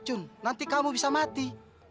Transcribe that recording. kalau beracun nanti kamu bisa mati